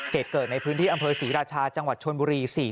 เหตุเกิดในพื้นที่อำเภอศรีราชาจังหวัดชนบุรี